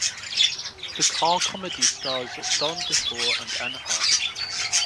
The comedy stars Don DeFore and Ann Harding.